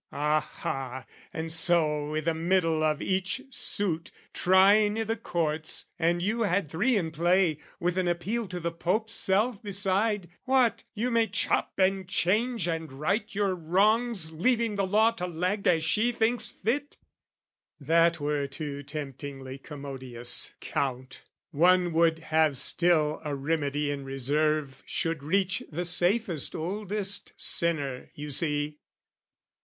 "Aha, and so i' the middle of each suit "Trying i' the courts, and you had three in play "With an appeal to the Pope's self beside, "What, you may chop and change and right your wrongs "Leaving the law to lag as she thinks fit?" That were too temptingly commodious, Count! One would have still a remedy in reserve Should reach the safest oldest sinner, you see!